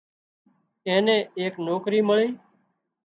اين نين ايڪ نوڪرِي مۯي